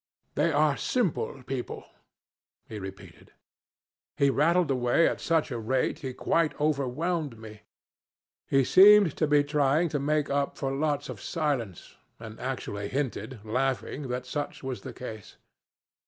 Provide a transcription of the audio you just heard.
They are simple people,' he repeated. He rattled away at such a rate he quite overwhelmed me. He seemed to be trying to make up for lots of silence, and actually hinted, laughing, that such was the case.